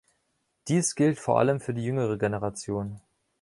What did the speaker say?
Dies gilt vor allem für die jüngere Generation.